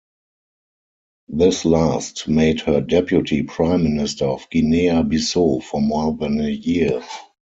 This last made her Deputy Prime Minister of Guinea-Bissau for more than a year.